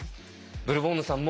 ブルボンヌさん